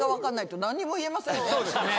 そうですね。